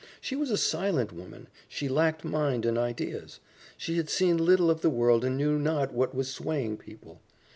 She was a silent woman, she lacked mind and ideas. She had seen little of the world and knew not what was swaying people.